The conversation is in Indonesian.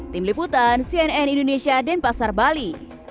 tim liputan cnn indonesia denpasar bali